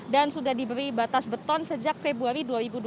dan sudah diberi batas beton sejak februari dua ribu dua puluh satu